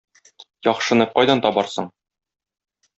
Яхшыны кайдан табарсың?